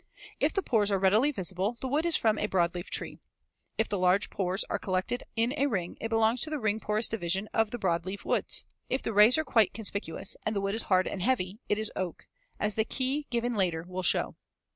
If the pores are readily visible, the wood is from a broadleaf tree; if the large pores are collected in a ring it belongs to the ring porous division of the broadleaf woods. If the rays are quite conspicuous and the wood is hard and heavy, it is oak, as the key given later will show.